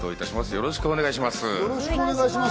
よろしくお願いします。